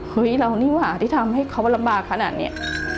เฮ้ยเรานี่หว่าที่ทำให้เขาลำบากขนาดนี้